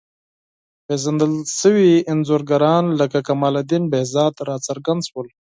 پېژندل شوي انځورګران لکه کمال الدین بهزاد راڅرګند شول.